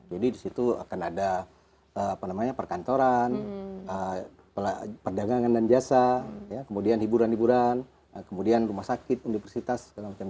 jadi disitu akan ada perkantoran perdagangan dan jasa kemudian hiburan hiburan kemudian rumah sakit universitas dan sebagainya